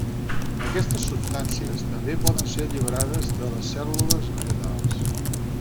Aquestes substàncies també poden ser alliberades de les cèl·lules vegetals.